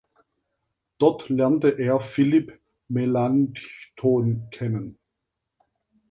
Dort lernte er Philipp Melanchthon kennen.